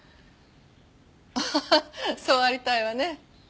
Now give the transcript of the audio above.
ああそうありたいわね。